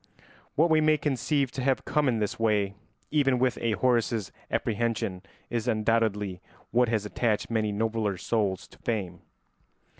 What we may conceive to have come in this way even within a Horace's apprehension is undoubtedly what has attached many nobler souls to fame.